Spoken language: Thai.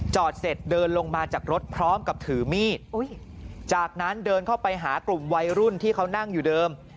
เสร็จเดินลงมาจากรถพร้อมกับถือมีดจากนั้นเดินเข้าไปหากลุ่มวัยรุ่นที่เขานั่งอยู่เดิม